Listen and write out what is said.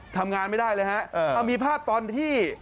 ทำงานไม่ได้เลยฮะมีภาพตอนที่